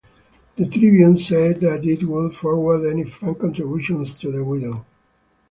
The "Tribune" said that it would forward any fan contributions to the widow.